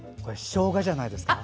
しょうがじゃないですか？